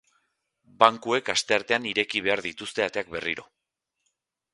Bankuek asteartean ireki behar dituzte ateak berriro.